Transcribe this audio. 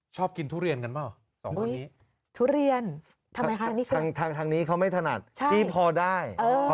ชอบกินทุเรียนกันเปล่าสองคนนี้ทุเรียนทำไมคะทางนี้เขาไม่ถนัดพี่พอได้